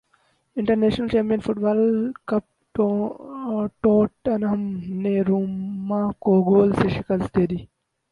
international champion football cup Tottenham نے Roma کو گول سے شکست دے دی